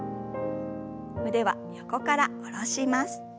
腕は横から下ろします。